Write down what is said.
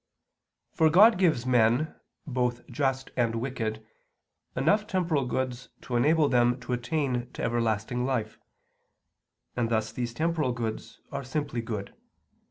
For God gives men, both just and wicked, enough temporal goods to enable them to attain to everlasting life; and thus these temporal goods are simply good.